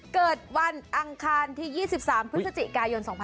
เกิดวันอังคารที่๒๓พฤศจิกายน๒๕๖๒